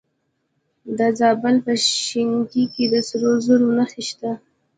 د زابل په شنکۍ کې د سرو زرو نښې شته.